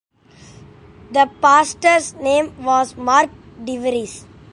That pastor's name was Mark DeVries.